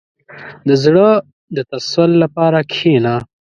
• د زړه د تسل لپاره کښېنه.